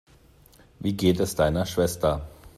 Wie geht es deiner Schwester?